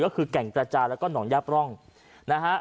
ก็คือแก่งตราจารย์แล้วก็หน่องยาปร่องนะครับ